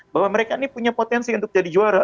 bahwa mereka ini punya potensi untuk jadi juara